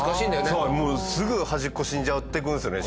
そうもうすぐ端っこ死んじゃっていくんですよね